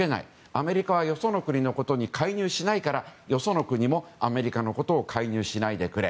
アメリカはよその国のことに介入しないからよその国もアメリカのことを介入しないでくれ。